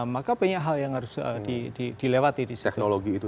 maka banyak hal yang harus dilewati disitu